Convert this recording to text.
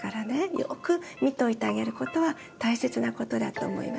よく見といてあげることは大切なことだと思います。